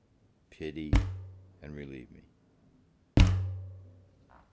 pity! And relieve me!"